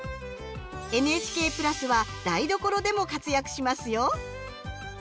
ＮＨＫ＋は台所でも活躍しますよ。